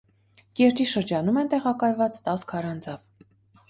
Կիրճի շրջանում են տեղակայված տաս քարանձավ։